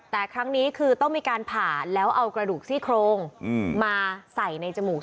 แต่ครั้งนี้คือต้องมีการผ่าแล้วเอากระดูกซี่โครงมาใส่ในจมูก